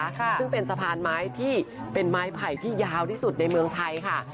ซึ่งเป็นสะพานไม้ที่เป็นไม้ไผ่ที่ยาวที่สุดในเมืองไทยค่ะ